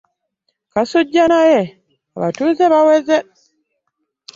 Kasujja naye, b’atuze baweze!